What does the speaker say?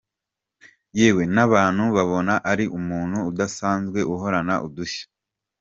Yewe n’abantu babona ari umuntu udasanzwe uhorana udushya.